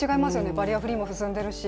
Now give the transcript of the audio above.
バリアフリーも進んでますし。